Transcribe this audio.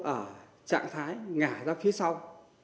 ở trạng thái ngả ra phía sau